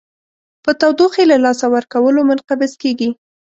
په تودوخې له لاسه ورکولو منقبض کیږي.